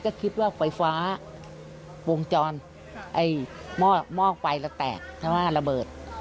ก็คิดว่าไฟฟ้าวงจรม่อไฟละแตกถ้าว่าระเบิด